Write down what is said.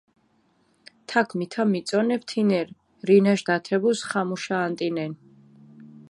თაქ მითა მიწონებჷ თინერი, რინაშ დათებუს ხამუშა ანტინენ.